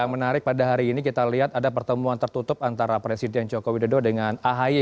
yang menarik pada hari ini kita lihat ada pertemuan tertutup antara presiden joko widodo dengan ahy